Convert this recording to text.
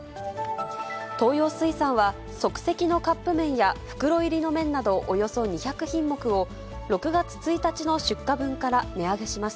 東洋水産は、即席のカップ麺や袋入りの麺など、およそ２００品目を、６月１日の出荷分から値上げします。